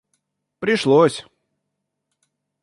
пришлось